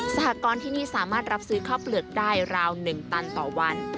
หกรณ์ที่นี่สามารถรับซื้อข้าวเปลือกได้ราว๑ตันต่อวัน